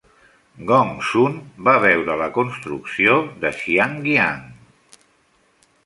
Gongsun va veure la construcció de Xiangyang.